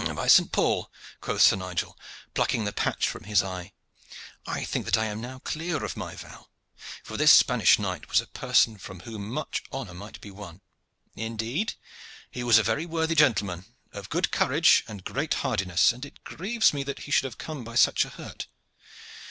"By Saint Paul!" quoth Sir Nigel, plucking the patch from his eye, "I think that I am now clear of my vow, for this Spanish knight was a person from whom much honor might be won. Indeed, he was a very worthy gentleman, of good courage, and great hardiness, and it grieves me that he should have come by such a hurt.